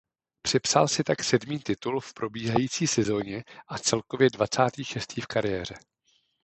Připsal si tak sedmý titul v probíhající sezóně a celkově dvacátý šestý v kariéře.